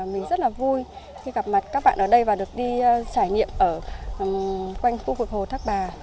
mình rất là vui khi gặp mặt các bạn ở đây và được đi trải nghiệm ở quanh khu vực hồ thác bà